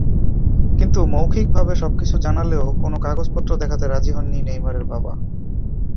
কিন্তু মৌখিকভাবে সবকিছু জানালেও কোনো কাগজপত্র দেখাতে রাজি হননি নেইমারের বাবা।